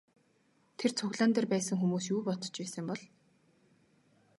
Тэр цуглаан дээр байсан хүмүүс юу бодож байсан бол?